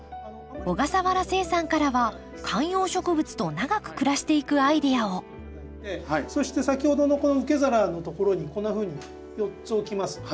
小笠原誓さんからは観葉植物と長く暮らしていくアイデアをそして先ほどのこの受け皿のところにこんなふうに４つ置きます。